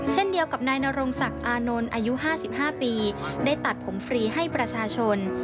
เช่นเดียวกับนายนรงศักดิ์อานนท์อายุ๕๕ปีได้ตัดผมฟรีให้ประชาชน